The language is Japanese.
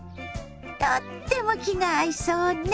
とっても気が合いそうね！